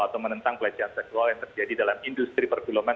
atau menentang pelecehan seksual yang terjadi dalam industri pergulongan